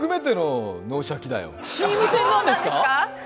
チーム戦なんですか！？